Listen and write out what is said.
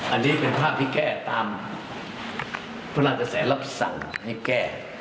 อันนี้เป็นภาพที่แก้ตามพระราชกระแสรับสั่งให้แก้